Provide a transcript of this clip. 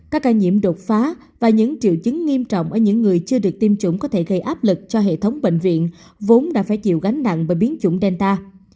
các ca nhiễm đột phá và những triệu chứng nghiêm trọng ở những người chưa được tiêm chủng có thể gây áp lực cho hệ thống bệnh viện vốn đã phải chịu gánh nặng bởi biến chủng delta